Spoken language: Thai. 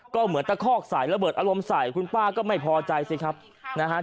ก็เหมือนตะคอกใส่ระเบิดอารมณ์ใส่คุณป้าก็ไม่พอใจสิครับนะฮะ